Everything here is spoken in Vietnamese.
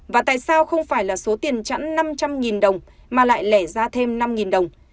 và tại sao không phải là số tiền chẵn năm trăm linh đồng mà lại lẻ ra thêm năm đồng